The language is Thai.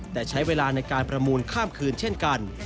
แต่ใช้เวลาในการประมูลข้ามคืนเช่นกัน